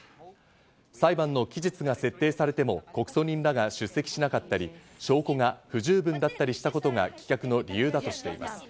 裁判の期日が設定されても、告訴人らが出席しなかったり、証拠が不十分だったりしたことが棄却の理由だとしています。